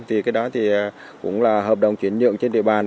thì cái đó thì cũng là hợp đồng chuyển nhượng trên địa bàn